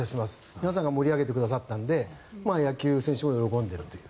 皆さんが盛り上げてくださったので野球選手も喜んでいる。